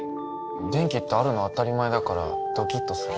電気ってあるの当たり前だからドキっとするね。